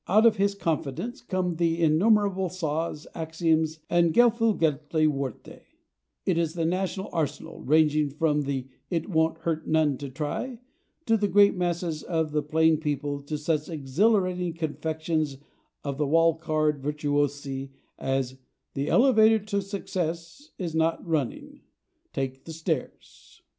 Out of his confidence come the innumerable saws, axioms and /geflügelte Worte/ in the national arsenal, ranging from the "It won't hurt none to try" of the great masses of the plain people to such exhilarating confections of the wall card virtuosi as "The elevator to success is not running; take the stairs."